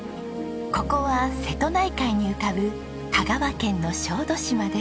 ここは瀬戸内海に浮かぶ香川県の小豆島です。